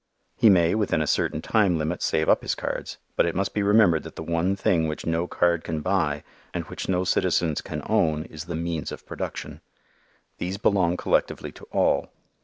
He may, within a certain time limit, save up his cards, but it must be remembered that the one thing which no card can buy and which no citizens can own is the "means of production." These belong collectively to all.